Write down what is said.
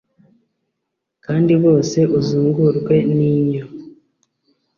Kandi bose uzungurwe ninyo